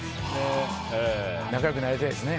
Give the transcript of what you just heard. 仲良くなりたいですね。